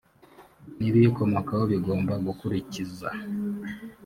n ibiyikomokaho bigomba gukurikiza